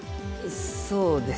そうです。